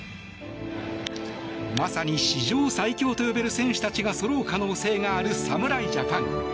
まさに史上最強と呼べる選手たちがそろう可能性がある侍ジャパン。